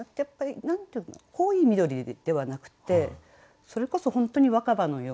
濃い緑ではなくてそれこそ本当に若葉のようなね。